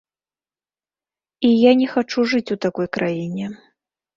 І я не хачу жыць у такой краіне.